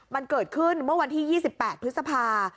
มันเกิดขึ้นเมื่อวันที่๒๘พฤษภา